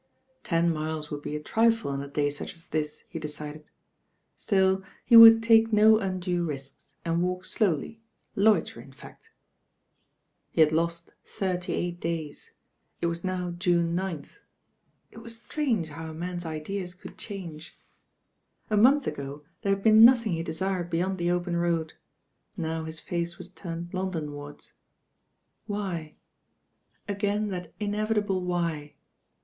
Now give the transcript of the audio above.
Ten miles would be a triee on a day such as this, he decided. Still he would take no undue risks and walk slowly, loiter m fact. He had lost thirty^ight days. It was now June 9th. It was strange how a man's ideas could change. r THE CALL OP THE RAIN GIRL 71 A month ago there had been nothing he desired beyond the open road; now hit face wai turned Undon wardi. Why? Again that inevitable Why."